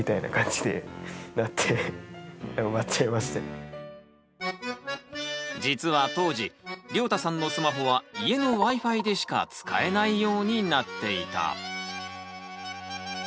それで多分実は当時りょうたさんのスマホは家のＷｉ−Ｆｉでしか使えないようになっていた。